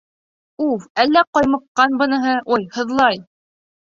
— Уф, әллә ҡаймыҡҡан быныһы, ой, һыҙлай.